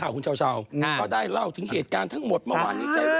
แล้วเจ้าเช้าว่าไงเจ้าเช้าว่าไง